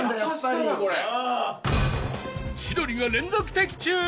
「千鳥が連続的中！」